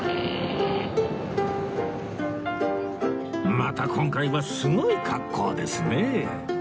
また今回はすごい格好ですねえ